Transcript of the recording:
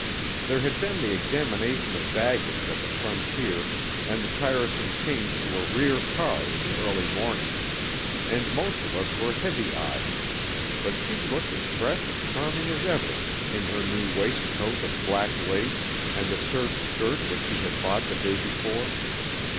There had been the examination of baggage at the frontier and the tiresome change to a rear car in the early morning, and most of us were heavy eyed, but she looked as fresh and charming as ever in her new waist of black lace and the serge skirt which she had bought the day before.